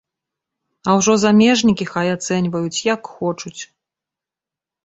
А ўжо замежнікі хай ацэньваюць, як хочуць.